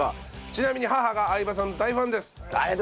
ちなみに母が相葉さんの大ファンです。